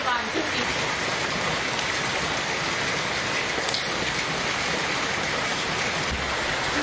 พร้อมทุกสิทธิ์